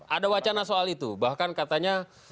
ada wacana soal itu bahkan katanya